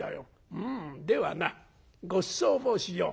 「うんではなごちそうをしよう」。